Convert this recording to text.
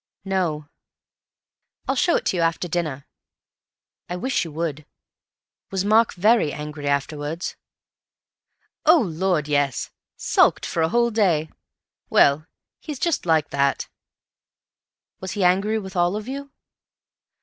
"No." "I'll show it to you after dinner." "I wish you would.... Was Mark very angry afterwards?" "Oh, Lord, yes. Sulked for a whole day. Well, he's just like that." "Was he angry with all of you?"